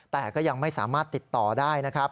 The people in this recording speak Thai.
แต่ก็ยังไม่สามารถติดต่อได้นะครับ